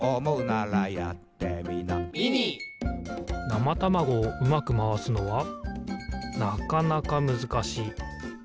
なまたまごをうまくまわすのはなかなかむずかしい。